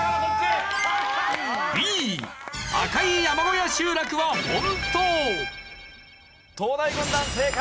Ｂ赤い山小屋集落は本当。